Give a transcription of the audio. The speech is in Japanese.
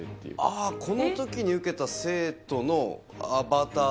ああこの時に受けた生徒のアバターがいるって事？